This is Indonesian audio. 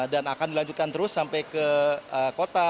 dan akan dilanjutkan terus sampai ke kota